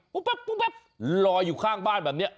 แป๊บลอยอยู่ข้างบ้านแบบนี้